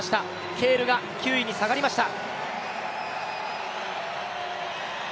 ケールが９位に下がりました。